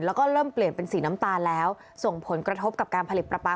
แล้วก็เริ่มเปลี่ยนเป็นสีน้ำตาลแล้วส่งผลกระทบกับการผลิตปลาปลา